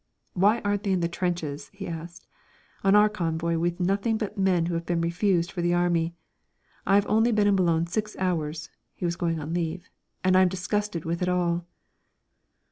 "Why aren't they in the trenches?" he asked. "On our convoy we've nothing but men who have been refused for the Army. I've only been in Boulogne six hours (he was going on leave), and I'm disgusted with it all!"